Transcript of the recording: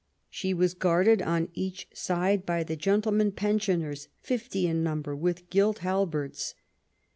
She was guarded on each side by the gentlemen pensioners, fifty in number, with gilt halberds.